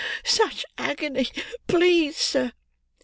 Such agony, please, sir!"